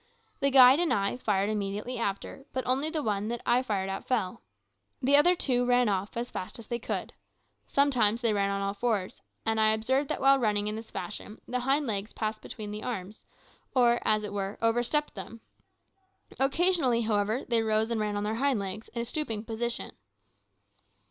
The guide and I fired immediately after, but only the one that I fired at fell. The other two ran off as fast as they could. Sometimes they ran on all fours; and I observed that while running in this fashion the hind legs passed between the arms, or, as it were, overstepped them. Occasionally, however, they rose and ran on their hind legs, in a stooping position.